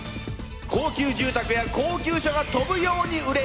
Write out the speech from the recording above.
高級住宅や高級車が飛ぶように売れ